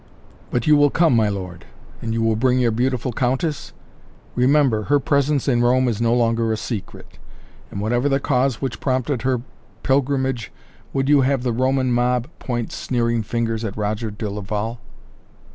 "But you will come my lord and you will bring your beautiful Countess? Remember, her presence in Rome is no longer a secret. And whatever the cause which prompted her pilgrimage, would you have the Roman mob point sneering fingers at Roger de Laval?"